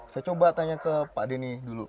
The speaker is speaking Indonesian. saya coba tanya ke pak denny dulu